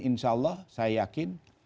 insya allah saya yakin